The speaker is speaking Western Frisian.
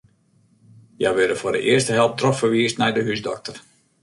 Hja wurde foar de earste help trochferwiisd nei de húsdokter.